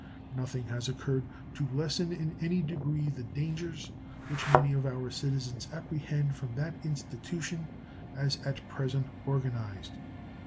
Nothing has occurred to lessen in any degree the dangers which many of our citizens apprehend from that institution as at present organized.